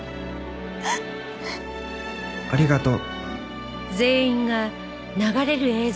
「ありがとう」